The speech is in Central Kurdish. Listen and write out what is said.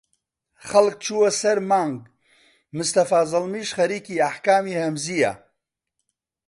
خەڵک چووە سەر مانگ مستەفا زەڵمیش خەریکی ئەحکامی هەمزیە